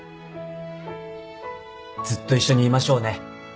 ずっと一緒にいましょうね。